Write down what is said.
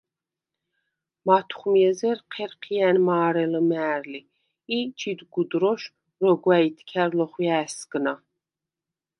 მათხვმი ეზერ ჴერჴია̈ნ მა̄რე ლჷმა̄̈რლი ი ჩიდ გუდროშ როგვა̈ ითქა̈რ ლოხვია̄̈სგვნა.